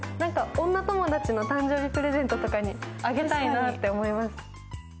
女友達の誕生日プレゼントとかにあげたいなって思います。